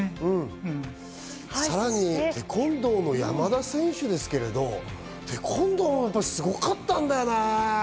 さらにテコンドーの山田選手ですけど、テコンドーもすごかったんだよね。